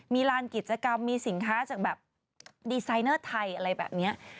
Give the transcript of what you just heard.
มีลานกิจกรรมมีสินค้าจากแบบดีไซเนอร์ไทยอะไรแบบนี้